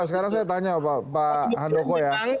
sekarang saya tanya pak handoko ya